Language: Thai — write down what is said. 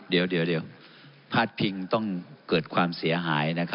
เดี๋ยวพาดพิงต้องเกิดความเสียหาย